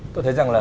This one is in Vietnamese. tôi thấy rằng là